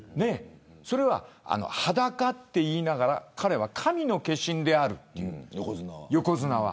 それは裸といいながら彼は神の化身であると、横綱は。